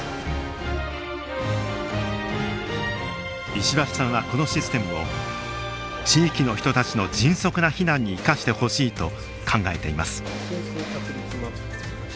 石橋さんはこのシステムを地域の人たちの迅速な避難に生かしてほしいと考えています。